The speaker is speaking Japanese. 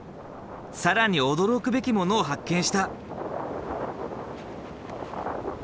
更に驚くべきものを発見した。